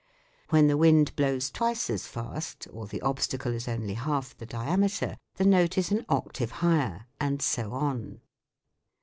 When the wind blows twice as fast, or the obstacle is only half the diameter, the note is an octave higher, and so on.